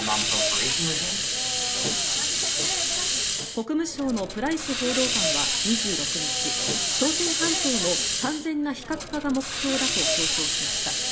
国務省のプライス報道官は２６日朝鮮半島の完全な非核化が目標だと強調しました。